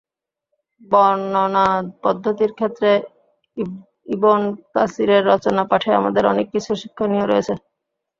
বর্ণনা পদ্ধতির ক্ষেত্রে ইবন কাসীরের রচনা পাঠে আমাদের অনেক কিছু শিক্ষণীয় রয়েছে।